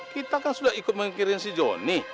kita kan sudah ikut mengikirin si joni